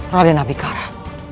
rada nabi kara